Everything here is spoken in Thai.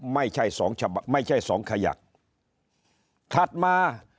ไม่ใช่สองฉบับไม่ใช่สองขยักถัดมา